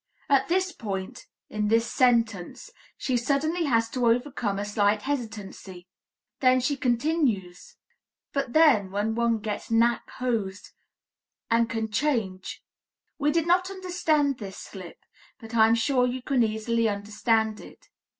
At this point in this sentence she suddenly has to overcome a slight hesitancy. Then she continues: "But then, when one gets nach Hose, and can change...." We did not analyze this slip, but I am sure you can easily understand it.